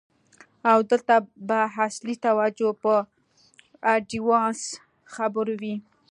او دلته به اصلی توجه په آډوانس خبرو وی.